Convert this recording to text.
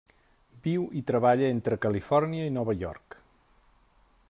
Viu i treballa entre Califòrnia i Nova York.